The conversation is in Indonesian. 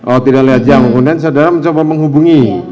oh tidak lihat jam kemudian saudara mencoba menghubungi